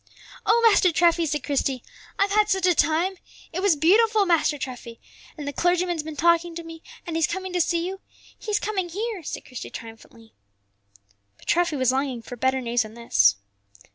"Oh, Master Treffy!" said Christie; "I've had such a time! It was beautiful, Master Treffy, and the clergyman's been talking to me, and he's coming to see you; he's coming here," said Christie triumphantly. But Treffy was longing for better news than this.